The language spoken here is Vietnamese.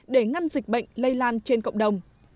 để ngăn dịch bệnh lây lan trên cộng đồng